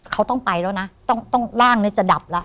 เขาต้องไปแล้วนะร่างเนี่ยจะดับแล้ว